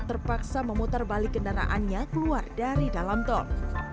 terpaksa memutar balik kendaraannya keluar dari dalam tol